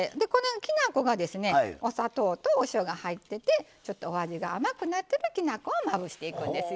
きな粉がですねお砂糖とお塩が入っててちょっとお味が甘くなってるきな粉をまぶしていくんですよ。